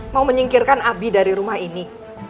mau menyingkirkan abi dari rumah ini